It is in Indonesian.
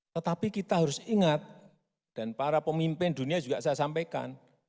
tetapi kita harus ingat dan para pemimpin dunia juga saya sampaikan